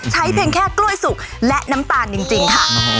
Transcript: เพียงแค่กล้วยสุกและน้ำตาลจริงค่ะ